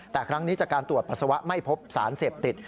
แต่ครั้งนี้จากการตรวจปัสสาวะไม่พบสารเสพติด